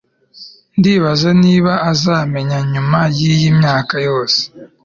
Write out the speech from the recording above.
ndibaza niba azamenya nyuma yiyi myaka yose